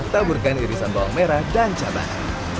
taburkan irisan bawang merah dan cabai